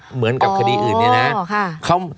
เหมือนกับคดีอื่นนะ